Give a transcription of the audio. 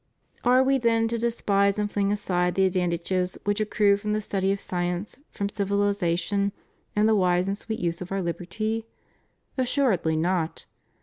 Are we then to despise and fling aside the advantages which accrue from the study of science, from civihzation and the wise and sweet use of our hberty? Assuredly not.